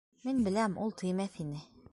Мин беләм, ул теймәҫ ине.